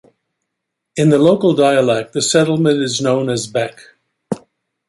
In the local dialect, the settlement is known as "Bec".